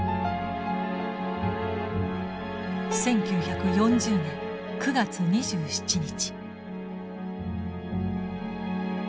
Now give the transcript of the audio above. １９４０年９月２７日。